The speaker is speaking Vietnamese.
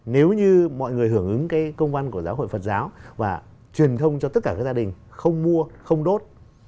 nếu như mọi người hưởng ứng công văn của giáo hội phật giáo và truyền thông cho tất cả các gia đình không mua không đốt